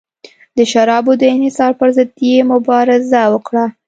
د شرابو د انحصار پرضد یې مبارزه وکړه.